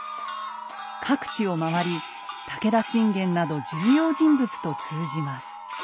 各地を回り武田信玄など重要人物と通じます。